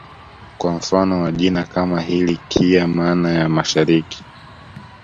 Kwa mfano wa jina kama hili Kiya maana ya Mashariki